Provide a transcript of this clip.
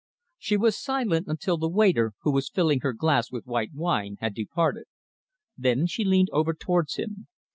She was silent until the waiter, who was filling her glass with white wine, had departed. Then she leaned over towards him.